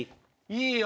いいよ。